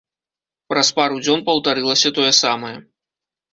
Праз пару дзён паўтарылася тое самае.